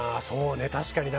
確かに。